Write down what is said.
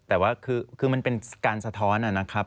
แต่ว่าคือมันเป็นการสะท้อนนะครับ